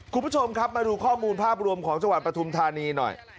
คุณผู้ชมครับมาดูข้อมูลภาพรวมของจังหวัดปฐุมธานีหน่อย